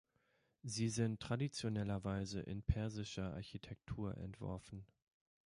Sie sind traditionellerweise in persischer Architektur entworfen.